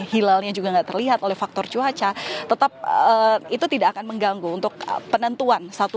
hilalnya juga enggak terlihat oleh faktor cuaca tetap itu tidak akan mengganggu untuk penentuan satu